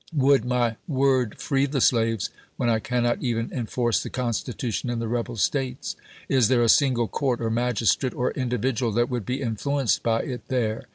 Would my word free the slaves, when I cannot even enforce the Constitution in the rebel States ? Is there a single court, or magistrate, or individual that would be influenced by it there?